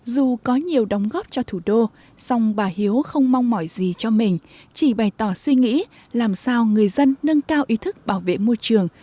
dù có nhiều đóng góp cho thủ đô song bà hiếu không mong mỏi gì cho mình chỉ bày tỏ suy nghĩ làm sao người dân nâng cao ý thức bảo vệ môi trường